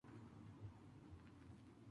Los retrovisores tienen color negro brillante.